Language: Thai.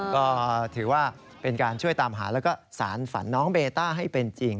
ก็ถือว่าเป็นการช่วยตามหาแล้วก็สารฝันน้องเบต้าให้เป็นจริง